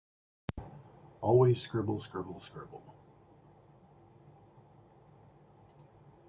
Always scribble, scribble, scribble!